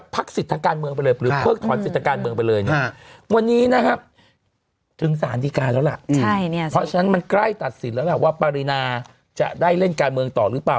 เพราะฉะนั้นมันใกล้ตัดสินแล้วล่ะว่าปรินาจะได้เล่นการเมืองต่อหรือเปล่า